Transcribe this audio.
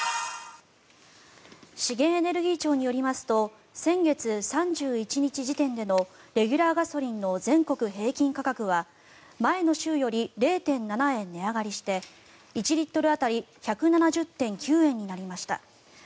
資源エネルギー庁によりますと先月３１日時点でのレギュラーガソリンの全国平均価格は前の週より０．７円値上がりして１リットル当たり１７０．９円になりました。